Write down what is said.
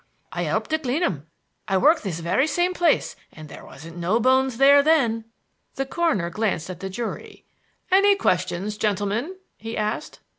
I helped to clean 'em. I worked on this very same place and there wasn't no bones there then." The coroner glanced at the jury. "Any questions, gentlemen," he asked.